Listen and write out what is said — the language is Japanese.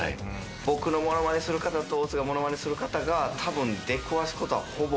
僕のものまねする方と大津がものまねする方が多分出くわすことはほぼ。